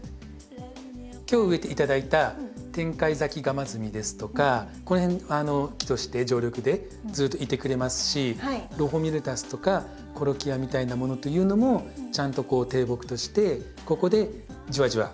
今日植えて頂いたテンカイザキガマズミですとかこの辺木として常緑でずっといてくれますしロフォミルタスとかコロキアみたいなものというのもちゃんと低木としてここでじわじわ育ってくれる感じになりますので。